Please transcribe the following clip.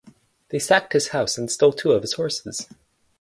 They sacked his house and stole two of his horses.